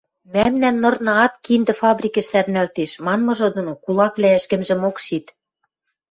мӓмнӓн нырнаат киндӹ фабрикӹш сӓрнӓлтеш» манмыжы доно кулаквлӓ ӹшкӹмжӹмок шит.